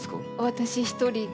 私一人で。